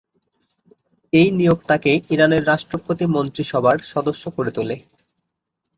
এই নিয়োগ তাকে ইরানের রাষ্ট্রপতি মন্ত্রিসভার সদস্য করে তোলে।